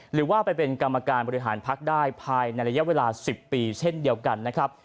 หรือว่าไปเป็นกรรมการบริหารพักได้ภายในระยะเวลา๑๐ปีเช่นเดียวกันนะครับ